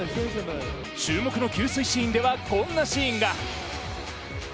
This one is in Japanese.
注目の給水シーンでは、こんなシーンが。